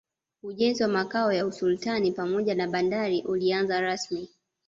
ujenzi wa makao ya sultani pamoja na bandari ulianza rasmi